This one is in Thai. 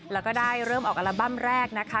แล้วก็ได้เริ่มออกอัลบั้มแรกนะคะ